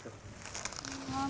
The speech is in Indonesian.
nggak mau sampai kembarangan